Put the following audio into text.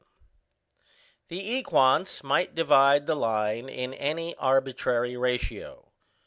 The equants might divide the line in any arbitrary ratio.